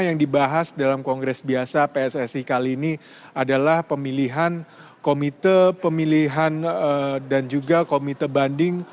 yang dibahas dalam kongres biasa pssi kali ini adalah pemilihan komite pemilihan dan juga komite banding